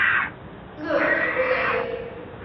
勒图雷。